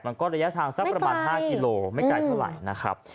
ระยะทางสักประมาณ๕กิโลไม่ไกลเท่าไหร่นะครับ